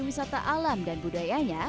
wisata alam dan budayanya